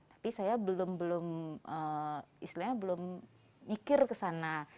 tapi saya belum belum istilahnya belum mikir ke sana